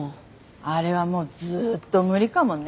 あれはもうずっと無理かもね。